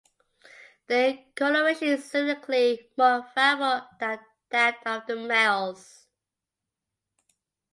Their coloration is significantly more variable than that of the males.